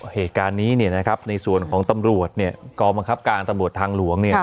เหตุการณ์นี้ในส่วนของตำรวจกองบังคับการตำรวจทางหลวง